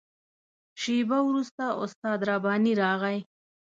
شېبه وروسته استاد رباني راغی.